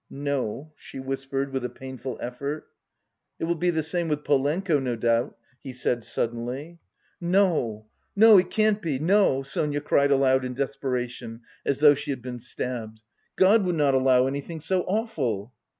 "No," she whispered with a painful effort. "It will be the same with Polenka, no doubt," he said suddenly. "No, no! It can't be, no!" Sonia cried aloud in desperation, as though she had been stabbed. "God would not allow anything so awful!"